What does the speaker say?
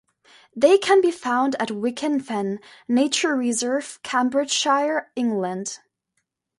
They can be found at Wicken Fen nature reserve, Cambridgeshire, England.